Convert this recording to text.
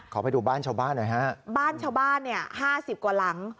ไปดูบ้านชาวบ้านหน่อยฮะบ้านชาวบ้านเนี่ยห้าสิบกว่าหลัง